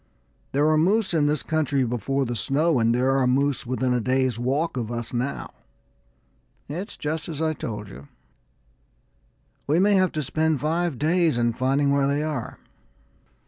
There were moose in this country before the snow, and there are moose within a day's walk of us now. It's just as I told you; we may have to spend five days in finding where they are."